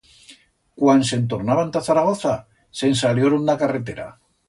Cuan se'n tornaban ta Zaragoza, se'n salioron d'a carretera.